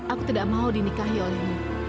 aku tidak mau dinikahi olehmu